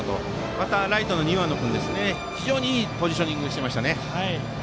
また、ライトの庭野君が非常にいいポジショニングをしていましたね。